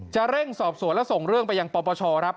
เร่งสอบสวนและส่งเรื่องไปยังปปชครับ